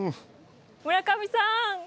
村上さん！